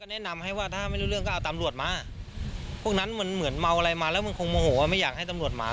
แนะนำให้ว่าถ้าไม่รู้เรื่องก็เอาตำรวจมาพวกนั้นมันเหมือนเมาอะไรมาแล้วมันคงโมโหไม่อยากให้ตำรวจหมา